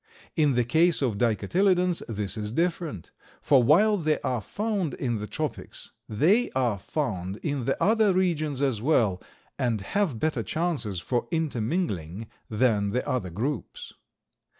In the case of Dicotyledons this is different, for while they are found in the tropics, they are found in the other regions as well, and have better chances for intermingling than the other groups.